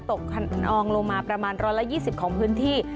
ตกขนองลงมาประมาณร้อยละ๒๐ของพื้นที่